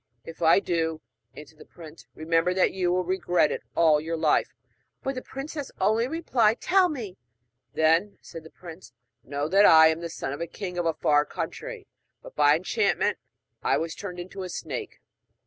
'If I do,' answered the prince, 'remember that you will regret it all your life.' But the princess only replied 'Tell me!' 'Then,' said the prince, 'know that I am the son of the king of a far country, but by enchantment I was turned into a snake.'